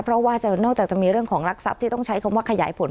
เพราะว่านอกจากจะมีเรื่องของรักทรัพย์ที่ต้องใช้คำว่าขยายผล